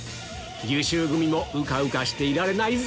優秀組もうかうかしていられないぞ！